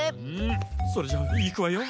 それじゃいくわよ。